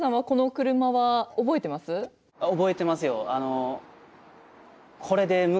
覚えてますよ。